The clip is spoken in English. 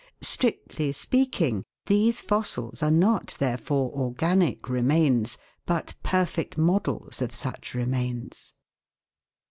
Strictly speaking, these fossils are not therefore organic re mains, but perfect models of such remains.